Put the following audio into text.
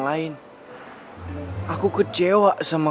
kamu harus kembali sadar